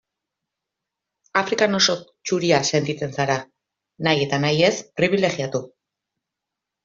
Afrikan oso zuria sentitzen zara, nahi eta nahi ez pribilegiatu.